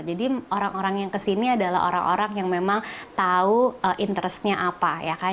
jadi orang orang yang kesini adalah orang orang yang memang tahu interest nya apa